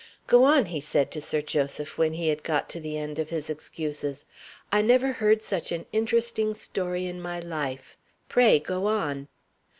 "Go on," he said to Sir Joseph, when he had got to the end of his excuses; "I never heard such an interesting story in my life. Pray go on!"